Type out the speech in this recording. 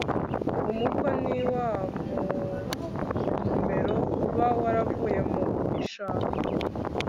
umuko ni wa mu mumero uba waravuye mu ishaka